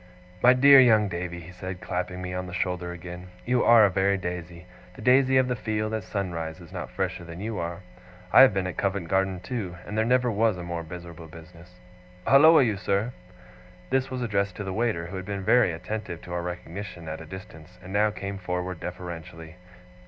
'My dear young Davy,' he said, clapping me on the shoulder again, 'you are a very Daisy. The daisy of the field, at sunrise, is not fresher than you are. I have been at Covent Garden, too, and there never was a more miserable business. Holloa, you sir!' This was addressed to the waiter, who had been very attentive to our recognition, at a distance, and now came forward deferentially.